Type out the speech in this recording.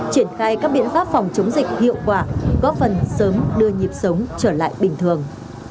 triển khai các biện pháp phòng chống dịch hiệu quả góp phần sớm đưa nhịp sống trở lại bình thường